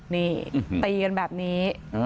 นี่ตีกันแบบนี้